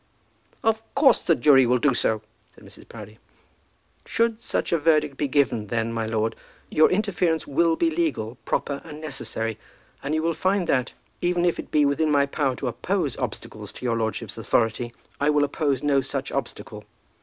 "Of course the jury will do so," said Mrs. Proudie. "Should such verdict be given, then, my lord, your interference will be legal, proper, and necessary. And you will find that, even if it be within my power to oppose obstacles to your lordship's authority, I will oppose no such obstacle.